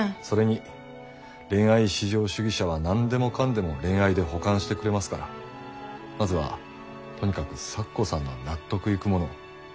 それに恋愛至上主義者は何でもかんでも恋愛で補完してくれますからまずはとにかく咲子さんの納得いくものを。